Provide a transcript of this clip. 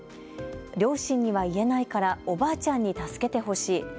両親には言えないからおばあちゃんに助けてほしい。